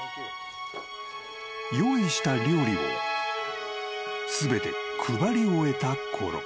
［用意した料理を全て配り終えたころ］